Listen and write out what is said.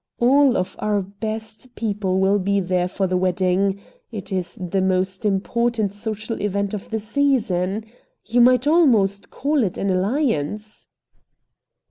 All of our BEST people will be there for the wedding. It is the most important social event of the season. You might almost call it an alliance."